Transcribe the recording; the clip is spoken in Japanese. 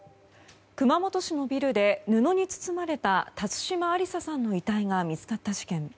熊本市のビルで布に包まれた、辰島ありささんの遺体が見つかった事件。